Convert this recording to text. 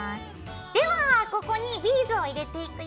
ではここにビーズを入れていくよ。